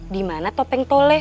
dimana topeng toleh